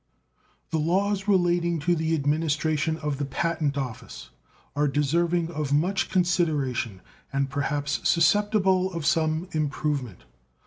The laws relating to the administration of the Patent Office are deserving of much consideration and perhaps susceptible of some improvement.